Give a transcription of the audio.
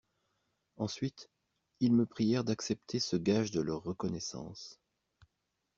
Ensuite, ils me prièrent d'accepter ce gage de leur reconnaissance.